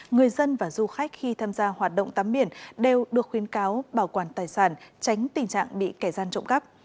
người dân và du khách khi tham gia hoạt động tắm biển đều được khuyến cáo bảo quản tài sản tránh tình trạng bị kẻ gian trộm cắp